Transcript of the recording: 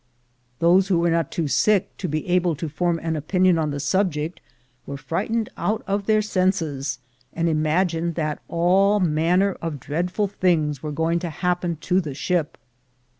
Those who were not too sick to be able to form an opinion on the subject, were frightened out of their senses, and imagined that all manner of dreadful things were going to happen to the ship.